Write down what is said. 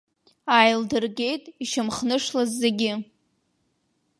Ааилдыргеит ишьамхнышлаз зегьы.